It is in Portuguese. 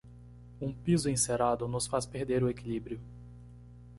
Um piso encerado nos faz perder o equilíbrio.